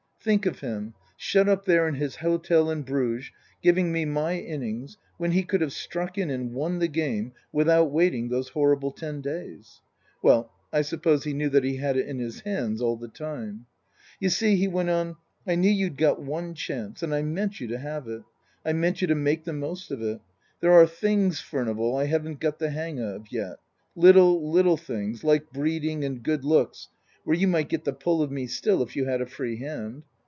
Think of him, shut up there in his hotel in Bruges, giving me my innings, when he could have struck in and won the game without waiting those horrible ten days. Well, I suppose he knew that he had it in his hands all the time. " You see," he went on, " I knew you'd got one chance, and I meant you to have it. I meant you to make the most of it. There are things, Furnival, I haven't got the hang of yet little, little things like breeding and good looks, where you might get the pull of me still if you had a free hand.